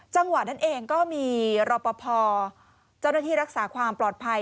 จังหวะนั้นเองก็มีรอปภเจ้าหน้าที่รักษาความปลอดภัย